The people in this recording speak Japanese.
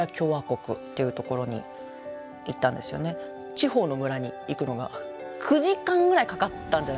地方の村に行くのが９時間ぐらいかかったんじゃないかな。